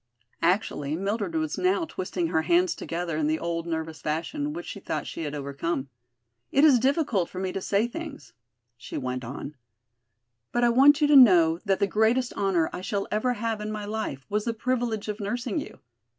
Actually, Mildred was now twisting her hands together in the old nervous fashion which she thought she had overcome. "It is difficult for me to say things," she went on, "but I want you to know that the greatest honor I shall ever have in my life was the privilege of nursing you.